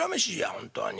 本当に。